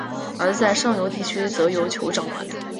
而在上游地区则由酋长管领。